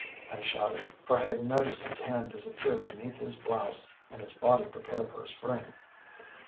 ‚ÄĚ I shouted, for I had noticed his hand disappear beneath his blouse and his body prepare for a spring.